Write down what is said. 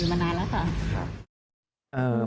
อยู่มานานแล้วค่ะ